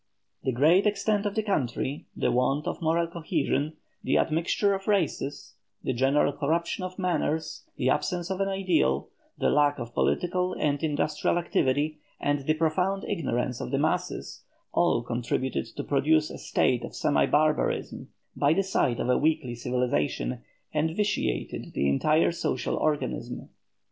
The great extent of the country, the want of moral cohesion, the admixture of races, the general corruption of manners, the absence of an ideal, the lack of political and industrial activity, and the profound ignorance of the masses, all contributed to produce a state of semi barbarism by the side of a weakly civilization, and vitiated the entire social organism.